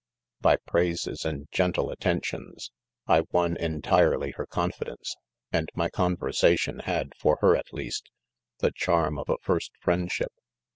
By praises and gentle attentions, I won en tirely her confidence, and my conversation. had, for her at least, the charm of a first friend ship.